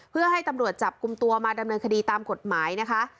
เพื่อให้ตำรวจจับกลุ่มตัวมาดำเนินคดีตามกฎหมายนะคะ